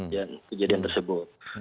dan kejadian tersebut